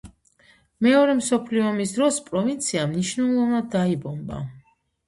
მეორე მსოფლიო ომის დროს პროვინცია მნიშვნელოვნად დაიბომბა.